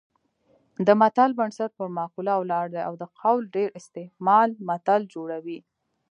د متل بنسټ پر مقوله ولاړ دی او د قول ډېر استعمال متل جوړوي